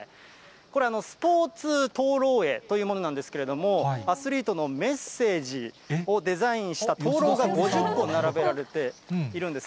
これ、スポーツ灯籠会というものなんですけれども、アスリートのメッセージをデザインした灯籠が５０個並べられているんです。